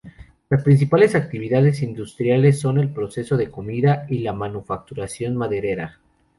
Las principales actividades industriales son el procesado de comida y la manufacturación maderera.